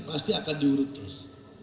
pasti akan diurut terus